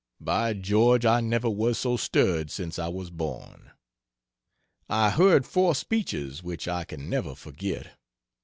By George, I never was so stirred since I was born. I heard four speeches which I can never forget.